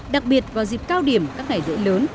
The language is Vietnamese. đặc biệt vào dịp cao điểm các ngày lễ lớn